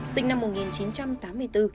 sinh năm một nghìn chín trăm tám mươi bốn